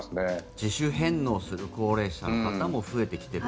自主返納する高齢者の方も増えてきている。